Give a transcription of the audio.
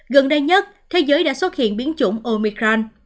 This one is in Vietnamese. gần đây nhất thế giới đã xuất hiện biến chủng omicran